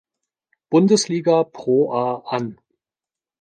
Bundesliga ProA an.